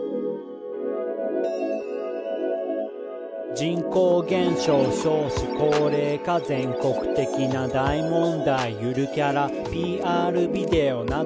「人口減少、少子高齢化」「全国的な大問題」「ゆるキャラＰＲビデオ、など」